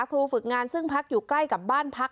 ฝึกงานซึ่งพักอยู่ใกล้กับบ้านพัก